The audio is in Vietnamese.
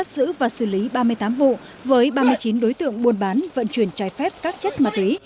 bắt giữ và xử lý ba mươi tám vụ với ba mươi chín đối tượng buôn bán vận chuyển trái phép các chất ma túy